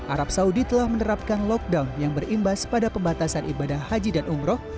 arab saudi telah menerapkan lockdown yang berimbas pada pembatasan ibadah haji dan umroh